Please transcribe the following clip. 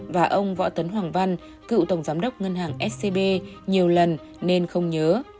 và ông võ tấn hoàng văn cựu tổng giám đốc ngân hàng scb nhiều lần nên không nhớ